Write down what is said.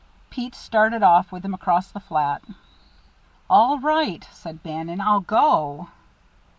Pete started off with him across the flat. "All right," said Bannon. "I'll go."